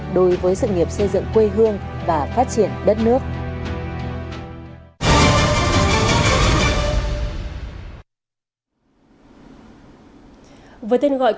đối với sự nghiệp xây dựng quê hương và phát triển đất nước